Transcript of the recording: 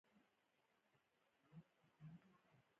د ښار په څلورلارې کې یو کس ولاړ دی.